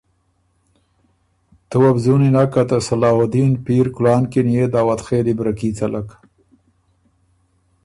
تُو وه بُو ځُونی نک که ته صلاح الدین پیر کلان کی ن يې داؤدخېلی بره کي څلک